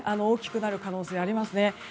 大きくなる可能性があります。